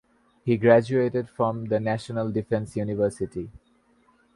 He graduated from the National Defence University.